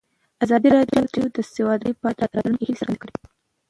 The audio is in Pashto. ازادي راډیو د سوداګري په اړه د راتلونکي هیلې څرګندې کړې.